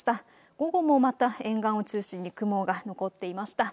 午後もまた沿岸を中心に雲が残っていました。